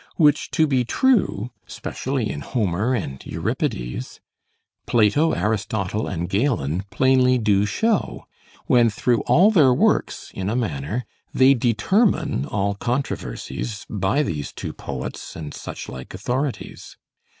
Which to be true, specially in Homer and Euripides, Plato, Aristotle, and Galen plainly do show; when through all their works (in a manner) they determine all controversies by these two poets and such like authorities.